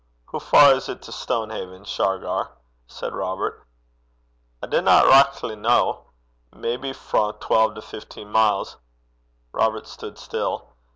'Hoo far is 't to Stonehaven, Shargar?' said Robert. 'I dinna richtly ken. Maybe frae twal to fifteen mile.' Robert stood still.